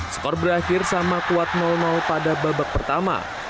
skor berakhir sama kuat pada babak pertama